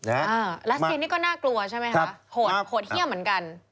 รัสเซียนี่ก็น่ากลัวใช่ไหมคะโหดโหดเยี่ยมเหมือนกัน